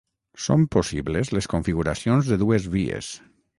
Són possibles les configuracions de dues vies.